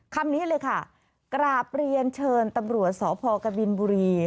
คำนี้เลยค่ะกราบเรียนเชิญตำรวจสพกบินบุรี